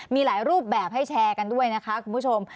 มีหลายรูปแบบให้แชร์กันด้วยนะคะคุณผู้ชม